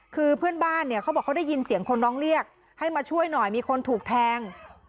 คือเพื่อนบ้านเนี่ยเขาบอกเขาได้ยินเสียงคนร้องเรียกให้มาช่วยหน่อยมีคนถูกแทง